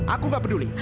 aku nggak peduli